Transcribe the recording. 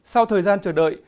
sau thời gian chờ đợi